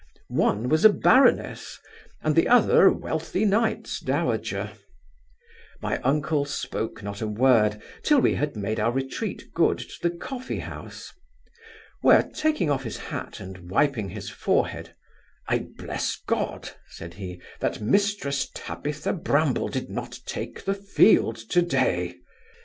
One was a baroness, and the other, a wealthy knight's dowager My uncle spoke not a word, till we had made our retreat good to the coffee house; where, taking off his hat and wiping his forehead, 'I bless God (said he) that Mrs Tabitha Bramble did not take the field today!